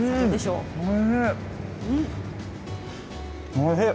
おいしい。